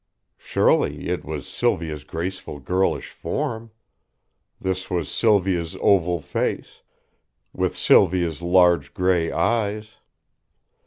Surely it was Sylvia's graceful girlish form! This was Sylvia's oval face, with Sylvia's large gray eyes.